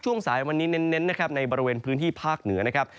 สายวันนี้เน้นนะครับในบริเวณพื้นที่ภาคเหนือนะครับ